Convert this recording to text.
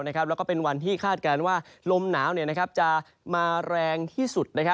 แล้วก็เป็นวันที่คาดการณ์ว่าลมหนาวจะมาแรงที่สุด